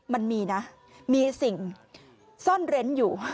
มันมีนะมีสิ่งซ่อนเร้นอยู่